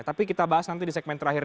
tapi kita bahas nanti di segmen terakhir